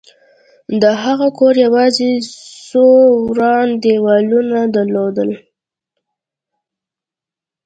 د هغه کور یوازې څو وران دېوالونه درلودل